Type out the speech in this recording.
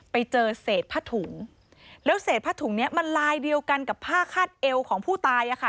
ไปเจอเศษผ้าถุงแล้วเศษผ้าถุงเนี้ยมันลายเดียวกันกับผ้าคาดเอวของผู้ตายอ่ะค่ะ